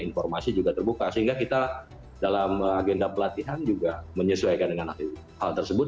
informasi juga terbuka sehingga kita dalam agenda pelatihan juga menyesuaikan dengan hal tersebut